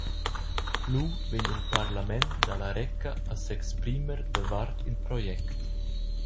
Lu vegn il «parlament» dalla Reka a s’exprimer davart il project.